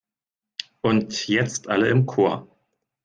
Und jetzt alle im Chor!